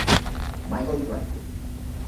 Michael Bradley